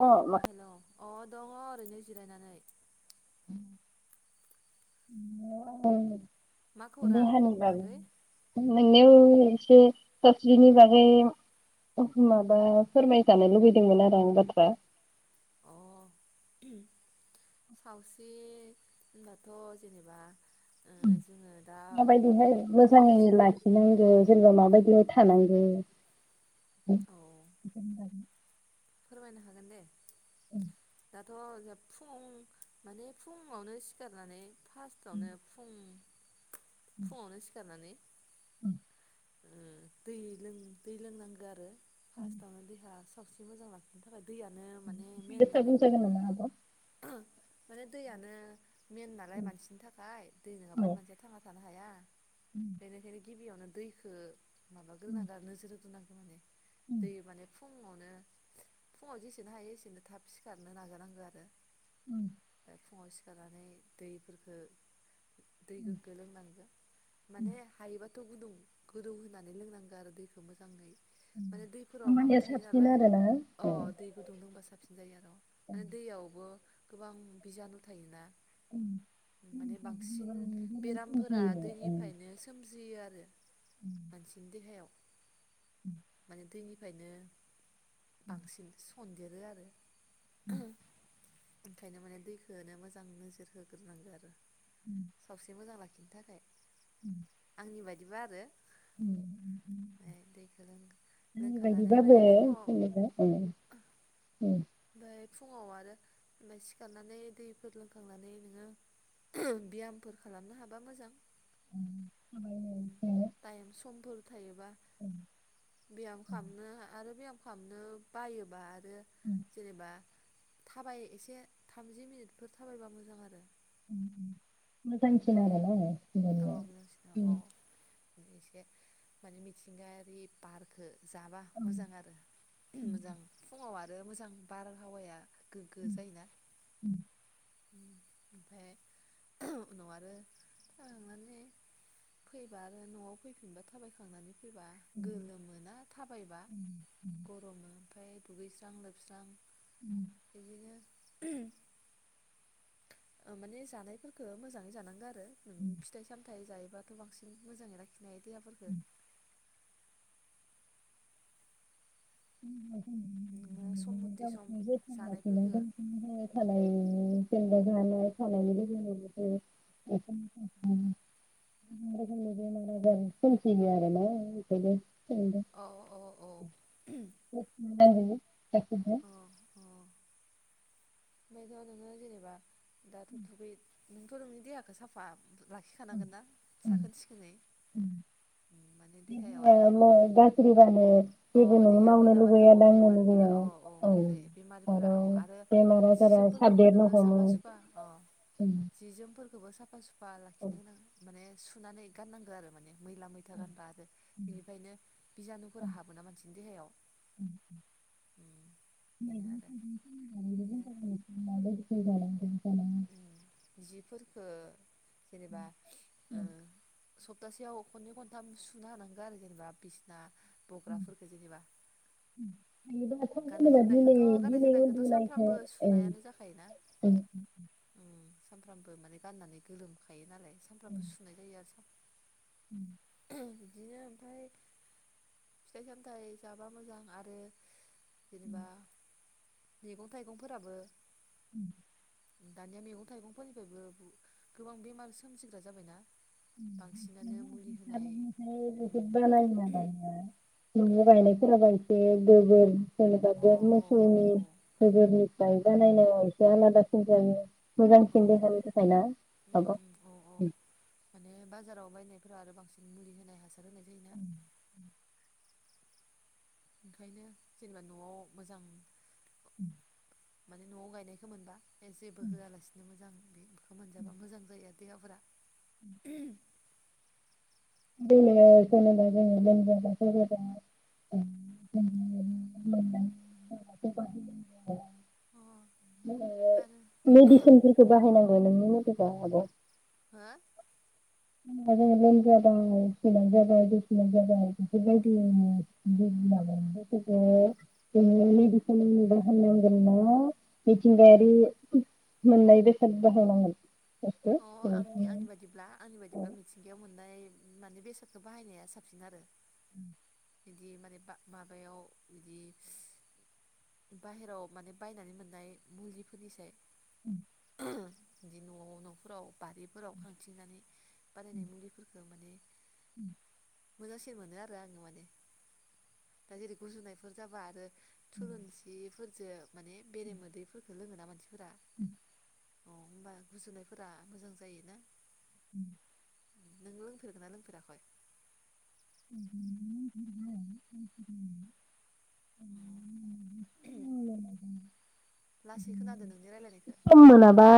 अ मा हेलौ अ दङ ओरैनो जिरायनानै। मा [inaudible] खौरां देहानि आगै बागै नोंनियाव एसे सावस्रिनि बागै माबा फोरमायजानो लुबैदोंमोन आरो आं बाथ्रा। अ ओम। सावस्रि होनबाथ' जेनेबा ओ जोङो दा माबायदिहाय नोंनि मोजाङै जि ला खिनांगौ जेनेबा माबायदियै थानांगौ। औ [inaudible] फोरमायनो हागोन दे। [unintelligible] दाथ' जा फुं माने फुुङावनो सिखारनानै फार्स्टावनो फुं फुङावनो सिखारनानै [unintelligible] उम दैलि लों दै लोंनांगौ आरो फार्स्टआवनो देहा सावस्रि मोजां लाखि नो थाखाय दैयानो माने एसे मेन गोसा नालाय बुंजागोन नामा आब' माने दैयानो मेन नालाय मानसिनि थाखाय दै औ नङाबानो मानसिया थांना थानो हाया। [unintelligible] बेनिखायनो गिबियावनो दैखो माबा ग्रोनांगो ओरो नोजोर होग्रोनांगौ माने दै माने फुङावनो फुङाव जेसेनो हायो एसेनो थाब सिखारनो नाजानांगौ आरो। उम दा फुङाव सिखारनानै दैफोरखो दै गो गो लोंनांगौ माने हायोबा खौ गुदुं गोदौ होनानै लोंनांगौ आरो दैखौ मोजाङै माने दैफोराव माबा होमबानिया थायो साबसिन नालाय आरोना अ औ दै गुदुंदोंबा साबसिन जायो आर' माने दैयावबो गोबां बिजानु थायोना। माने बांसिन बेरामफोरा दैनिफ्रायनो सोमजियो आरो। मानसिनि देहायाव माने दैनिफ्रायनो बांसिन सन्देरो आरो। ओंखायनो माने दैखोनो मोजां नोजोर होग्रोनांगो आरो। सावस्रि मोजां लाखिनो थाखाय। आंनि बायदिबा आरो। उम ओमफ्राय दैखौ लों लोंखांनानै आनिबायदिबाबो माने फुङाव जेनेबा औ। उम। ओमफाय फुङाव आरो ओमफ्राय सिखारनानै दैफोर लोंखांनानै नोङो बियामफोर खालामनो हाबा मोजां थाबायनो उम एसे टाइम समफोर थायोबा। ओ ब्याम ओ खालामनो आरो बेयाम खालामनो बायोबा बो ओ जेनेबा थाबाय एसे थामजि मिनिटफोर थाबायबा मोजां आरो मोजांसिन ओमफ्राय आरोना अ मोजांसिना जोंहानिया अ एसे माने मिथिंगायारि बारखो जाबा उम मोजां आरो उम मोजां। फुङाव आरो मोजां बारहावाया गोग्गो उम जायोना उम ओमफ्राय उनाव आरो थांनानै फैबा आरो न'आव फैफिनबा थाबायखांनानै फैबा उम उम गोलोमोना थाबायबा गर'मो ओमफ्राय दुगैस्रां लोबस्रां उम बिदिनो ओ माने जानायफोरखो मोजां ङै जानांगो आरो नों फिथाइ सामथाइ जायोबाथ' बांसिन मोजाङै लाखिनो हायो देहाफोरखो। [unintelligible] नोङो सम मथे सम लाखिनाय जानायफोरखौ जायो। मोजाङै थानायनि जेनबा नआव थानायनि गेजेरजोंबो जों [unintelligible] [unintelligible] बेमार आजार सोमजियो आरो ना ओंखायनो [unintelligible] औ औ औ उम। [unintelligible] अ अ। ओमफ्रायथ' नोङो जेनेबा दाथ' दुगै नोंथ' नोंनि देहाखो साफा लाखिखानांगोनना उम साखोन सिखोनै। उम उम माने देहायाव देहाया आरो गाज्रिबानो अ जेबो नों देहाया मावनो मैलाबानो लुगैया अ दांनो बेमार लुगैया फोरा अ औ नोंगोदे बेमारफोरा अ आरो बेमार जि आजारा जोमफोरखौबो साबदेरनो नोङो हमो साफा सुफा अ जि जोमफोरखौबो साफा सुफा लाखिनो गोनां माने सुनानै गाननांगौ आरो माने। मैला-मैथा गानबा आरो बिनिफ्रायनो बिजानुफोरा हाबोना मानसिनि देहायाव। [inaudible] उम। बेनो आरो बिदिनो [unintelligible] उम जि फोरखो जेनेबा ओ सप्तासेयाव खनै खनथाम सुना हानांगो आरो जेनेबा बिसना बग्राफोरफोरखो जेनेबा। बिदिबाथ' गाननाय जेनेबा दिनै जोमनायखौथ' गाननाय दिनै जोमनायखौथ' उन्दुनायखो सानफ्रामबो ओं सुनायानो जाखायोना उम उम सानफ्रामबो माने गाननानै गोलोमखायो नालाय सानफ्रामबो सुनाय जायो आरो सा [inaudible] ओम बिदिनो ओमफाय फिथाइ सामथाय जाबा मोजां आरो जेनेबा मैगं थाइगंफोराबो [inaudible] दानिया मैगं थाइगंफोरनिफ्रायबो गोबां बेमार सोमजिग्रा जाबायना? बांसिनानो मुलि होनाय हासारनिफ्राय बुहुद‌ उम बानायोना दानिया नयाव गायनायफोराबा एसे गोबोर जेनेबा अ बुहद अ अ मोसौनि अ गोबोरनिफ्राय बानायनाया एसे आलादासिन जायो। मोजांसिन देहानि थाखाय ना आब'। औ औ ओरैनो माने बाजाराव बायनायफोरा आरो बांसिन मुलि होनाय हासार होनाय जायोना? ओंखायनो जेनेबा न'आव मोजां [inaudible] माने न'आव गायनायखो मोनबा जेबो होआलासिनो मोजां बे खो मोनजाबा मोजां जायो आरो देहाफोरा। जोंङ सनो जोङो ल [unintelligible] [unintelligible] [unintelligible] अ आरो मेडिसिनफोरखौ बाहायनांगौ नोंनि मतेबा आब'? हा लोमजाबाय खिनाय जाबाय गुजुनाय जाबाय बेफोरबायदि [unintelligible] [unintelligible] जो मेडिसिन बाहायनांगोन ना मिथिंगायारि मोननाय बेसाद बाहायनांगोन। बेखौ अ आंनि आंनि बादि ब्ला आंनि बायदिब्ला मिथिंगायाव मोननाय माने बेसादखो बाहायनाया साबसिन आरो। [inaudible] बिदि माने बा माबायाव बिदि बाहेराव माने बायनानै मोननाय मुलिफोरनिसाय। [inaudible] ओह बिदि न' न'फोराव बारिफोराव खांथिंनानै बानायनाय मुलिफोरखो माने मोजांसिन मोनो आरो आङो माने दा जेरै गुजुनायफोर जाबा आरो थुलुंसिफोरजो माने बेरे मोदैफोरफोरखो लोङोना मानसिफोरा। अ होमबा गुजुनायफोरा मोजां जायो ना? [inaudible] नों लोंफेरगोना लोंफेराखय? [inaudible] लासै खोनादो नोंनि रायलायनायखो सम मोनाबा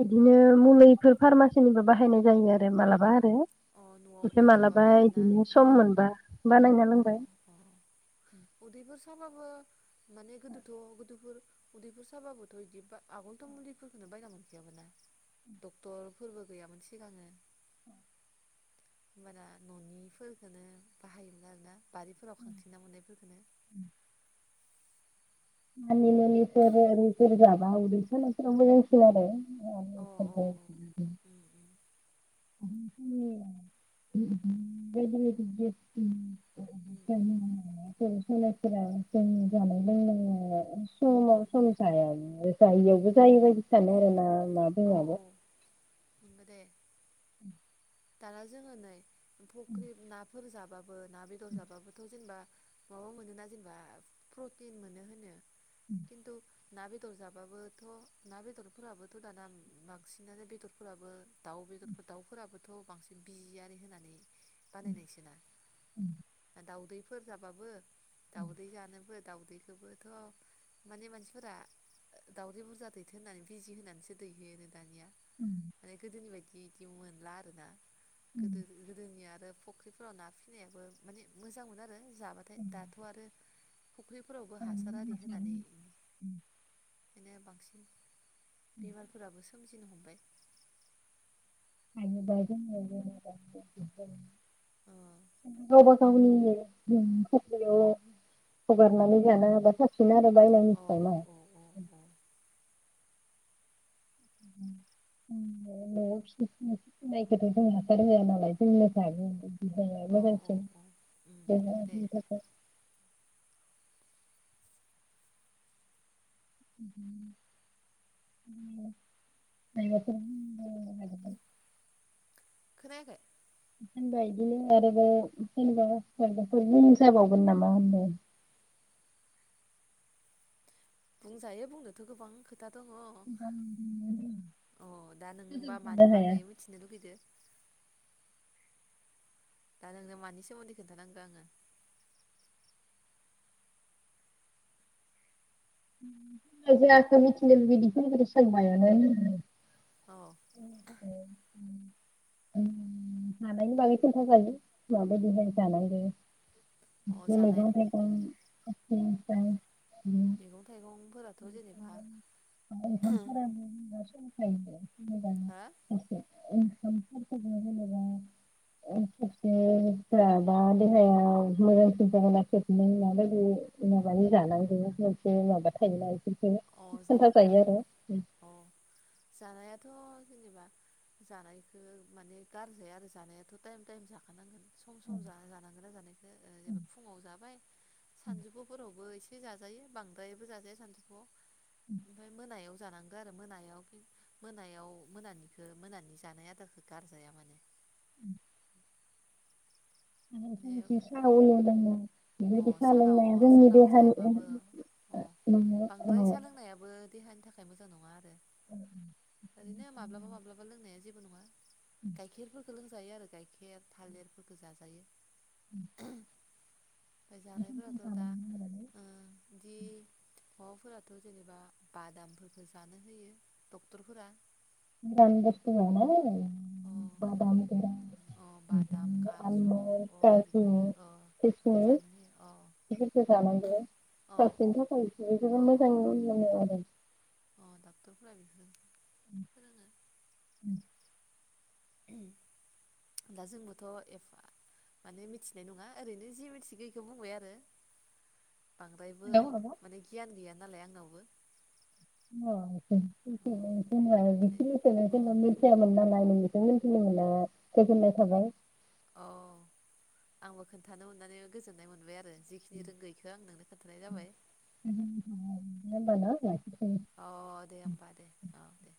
बिदिनो मुलैफोर फारमासिनिबो बाहायनाय जायो आरो मालाबा अ न'आव ओमफ्राय मालाबा मोनस्लाबाबा आरोना बिदिनो सम मोनबा बानायना अ लोंबाय अ उदैफोर साबाबो माने गोदोथ' गोदोफोर उदैफोर साबाबोथ' इदि बा आगोलथ' मुलिफोरफोरखोनो बायना मोनखायामोन ना डक्ट'रफोरबो गैयामोन सिगाङो होनबाना न'नि फोरखोनो बाहायोमोन आरोना बारिफोराव खांथिंना मोननायफोरखौनो। मानि मुनि फोरो ओरै सोर जाबा उदै सानाय मोजांसिन आरो। औ औ औ उम उम अ [unintelligible] [unintelligible] [unintelligible] [unintelligible] उम उम समाव उम सम जाया उम जायियावबो जायो बायदि सानो उम आरोना मा बुङो आब'। नंगो दे [inaudible] दाना जोङो नै फुख्रि नाफोर जाबाबो ना बेदर जाबाबोथ' जेनेबा माबा मोनोना जेनेबा प्रटिन मोनो होनो खिन्थु ना बेदर जाबाबोथ' ना बेदरफोराबोथ' दाना बांसिनानो बेदरफोराबो दाउ बेदरफोर दाउफोराबो खौ बांसिन बिजि आरि होननानै बानायनाय सोना ना दावदै फोर जाबाबो दाउदै जानोबो दाउदैखौबोथ' माने मानसिफोरा दावदै बुरजा दैथो होननानै बिजि होनानैसो दैहोयो दानिया उम माने गोदोनि बायदि बिदि मोनला आरोना गोदो गोदोनि आरो फ फुख्रिफोराव ना फिसिनायाबो माने मोजां मोनो आरो जाबाथाय दाथ' आरो फुख्रिफोरावबो हासार आरि होनानै बिनो बांसिन बेमारफोराबो सोमजिनो हमबाय दा जोंनिआव जेनेबा अ गावबा गावनिनो फुख्रियाव हगारनानै जानो हाबा साबसिन आरो बायनायनिफ्राय मा अ अ अ उम न' न'आव फिसिनाय फिनायखौथ' जों हासार होआ नालाय जोंनो अ औ जायो औ उम नंगौ दे [unintelligible] [unintelligible] खोनायाखै होनबा बिदिनो आरोबाव जेनेबा मबाफोर बुंजाबावगोन नामा होनदों बुंजायो बुंनोथ' गोबां खोथा दङ अ दा नोंबा फोजोबनो मानि हाया बागै मिथि होननो लुगैदो दा नोंनो मानि सोमोन्दै खिथानांगो आङो जों जाखौ मिथिनो लुबैदों बिखिनिखौ सोंबायानो अ जानायनि बागै खिन्था जायो माबायदिहाय जानाय जायो अ बे जानाया मैगं थाइगं [unintelligible] थायगं‌ माय हथार होन सखायो हा ओंखाम फोरखो जों जेनेबा [unintelligible] जाबा देहायाव मोजांसिन जागोन ना माबायदि [unintelligible] माबानि जानांगौ मोनसे माबा थायोन अ जानायफ्रा अ जानायाथ' जेनेबा जानायखो माने गारजाया आरो जानायाथ' टाइम टाइम जाखानांगोन। सम सम जा जानांगोना जानायखौ जेनबा फुङाव जाबाय सानजुफुफोरावबो एसे जाजायो बांद्रायबो जाजाया सानजौफुआव। ओमफाय मोनायाव जानांगौ आरो मोनायाव फिन मोनायाव मोनानिखो मोनानि जानाय आदारखौ गारजाया माने। माने [inaudible] अ साहा सानाव लोंनाया अ जोंनि सानाव देहानि जायाबाबो माबा अ ओ बांद्राय सा लोंनायाबो देहानि थाखाय मोजां नङा आरो ओरैनो माब्लाबा माब्लाबा लोंनाया जेबो नङा गाइखेरफोरखौ लोंजायो आरो गाइखेर थालिरफोरखौ जाजायो [inaudible] ओमफ्राय जानायफोराथ' दा जानांगौ आरो ओ बिदि माबाफोराथ' जेनेबा बादामफोरखौ जानो होयो डक्टरफोरा गोरान बुस्थु ओ अ बादाम गोरान अ बादाम काजु आलमन्ड अ काजु इफोरखौ अ बेखौ जानो होयो अ फोरखो जानांगो अ खायसेनि थाखायस बेफोर अ जबोद मोजां अ नु मोनो बेखौनो आरो अ डाक्टरफोरा बिफोर [inaudible] दा जोंबोथ' एफा माने मिथिनाय नङा ओरैनो जि मिथिगौ बेखौ बुंबाय आरो। [inaudible] बांद्रायबो हेलौ आब'? माने गियान गैया नालाय आंनावबो। [inaudible] अ माने अ गोजोननाय थाबाय। अ आंबो खोन्थानो मोननानै गोजोननाय मोनबाय आरो जि खिनि रोंगौ इखो आं नोंनो खोन्थानाय जाबाय। दे होमबा ना लाखिथ'नि अ दे होमबा दे अ दे।